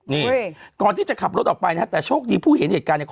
นี่ก่อนที่จะขับรถออกไปนะฮะแต่โชคดีผู้เห็นเหตุการณ์เนี่ย